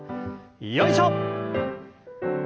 よいしょ！